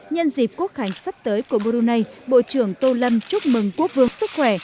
nhân dịp quốc khánh sắp tới của brunei bộ trưởng tô lâm chúc mừng quốc vương sức khỏe